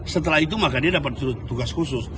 setelah itu maka dia dapat tugas khusus